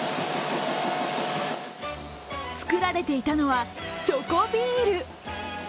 造られていたのはチョコビール。